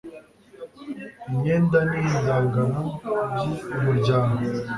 imyenda n indagano by umuryango